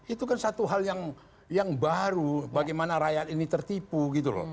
itu kan satu hal yang baru bagaimana rakyat ini tertipu gitu loh